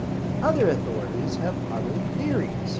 Other authorities have other theories.